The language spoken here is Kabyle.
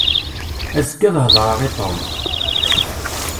Azekka ad hedreɣ i Tom.